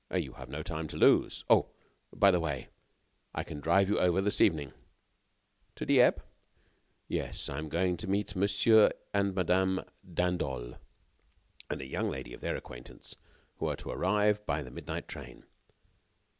"You have no time to lose. Oh! by the way, I can drive you over this evening." "To Dieppe?" "Yes. I am going to meet Monsieur and Madame d'Androl and a young lady of their acquaintance who are to arrive by the midnight train."